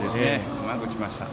うまく打ちました。